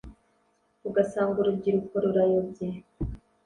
ugasanga urubyiruko rurayobye